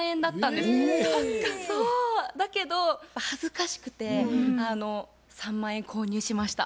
だけど恥ずかしくて３万円購入しました。